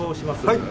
はい。